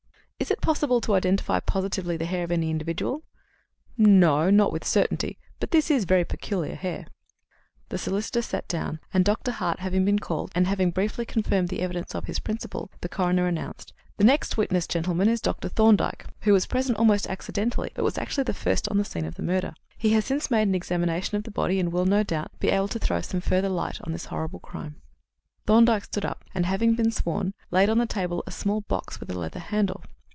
"Is it possible to identify positively the hair of any individual?" "No. Not with certainty. But this is very peculiar hair." The solicitor sat down, and, Dr. Hart having been called, and having briefly confirmed the evidence of his principal, the coroner announced: "The next witness, gentleman, is Dr. Thorndyke, who was present almost accidentally, but was actually the first on the scene of the murder. He has since made an examination of the body, and will, no doubt, be able to throw some further light on this horrible crime." Thorndyke stood up, and, having been sworn, laid on the table a small box with a leather handle.